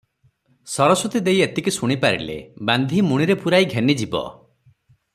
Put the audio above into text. ସରସ୍ୱତୀ ଦେଈ ଏତିକି ଶୁଣି ପାରିଲେ, ବାନ୍ଧି ମୁଣିରେ ପୁରାଇ ଘେନିଯିବ ।